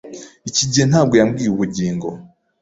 iki gihe ntabwo yabwiye ubugingo,